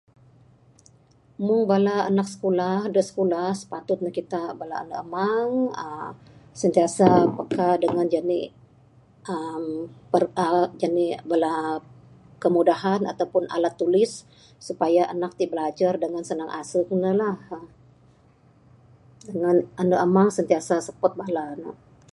Mung bala anak skulah da skulah, spatut ne kitak bala andu' amang uhh sentiasa peka dengan janik uhh perta janik uhh bala kemudahan atau pun alat tulis supaya anak tik belajar dengan senang asung ne lah. Dengan andu' amang sentiasa support bala ne.